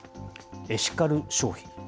エシカル消費。